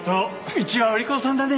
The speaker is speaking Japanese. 未知はお利口さんだね。